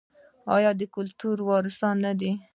آیا د یو کلتور وارثان نه دي؟